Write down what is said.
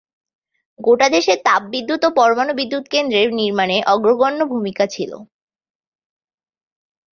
গোটা দেশের তাপবিদ্যুৎ ও পরমাণু বিদ্যুৎ কেন্দ্রের নির্মাণে অগ্রগণ্য ভূমিকা ছিল।